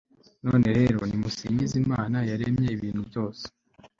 none rero, nimusingize imana yaremye ibintu byose